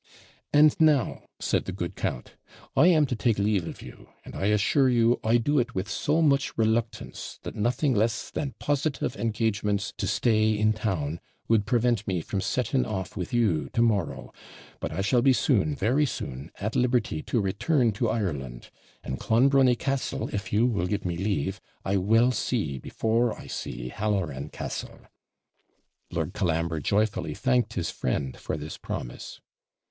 'And now,' said the good count, 'I am to take leave of you; and I assure you I do it with so much reluctance that nothing less than positive engagements to stay in town would prevent me from setting off with you to morrow; but I shall be soon, very soon, at liberty to return to Ireland; and Clonbrony Castle, if you will give me leave, I will see before I see Halloran Castle.' Lord Colambre joyfully thanked his friend for this promise.